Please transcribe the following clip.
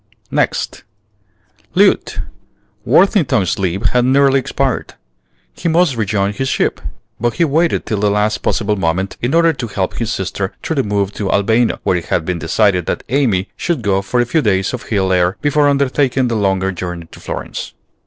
NEXT. Lieut. Worthington's leave had nearly expired. He must rejoin his ship; but he waited till the last possible moment in order to help his sister through the move to Albano, where it had been decided that Amy should go for a few days of hill air before undertaking the longer journey to Florence.